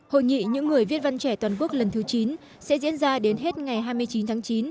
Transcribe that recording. hội nghị những người viết văn trẻ toàn quốc lần thứ chín sẽ diễn ra đến hết ngày hai mươi chín tháng chín